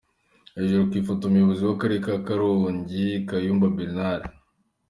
Hejuru ku ifoto:umuyobozi w’Akarere ka Karongi Kayumba Bernard.